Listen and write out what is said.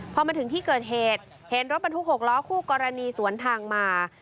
พอมาถึงที่เกิดเหตุเห็นรถบรรทุก๖ล้อคู่กรณีสวนทางมา